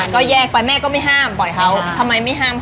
ก็แยกไปแม่ก็ไม่ห้ามปล่อยเขาทำไมไม่ห้ามเขา